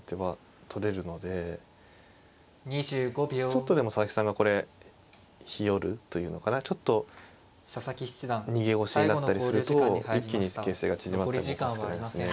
ちょっとでも佐々木さんがこれひよるというのかなちょっと逃げ腰になったりすると一気に形勢が縮まってもおかしくないですね。